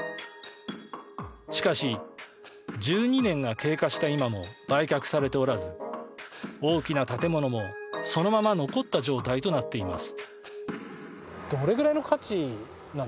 しかし、１２年が経過した今も売却されておらず大きな建物もそのまま残った状態となっています。